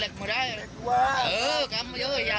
แม่มาช่วยดีกันแม่มาช่วยดีกัน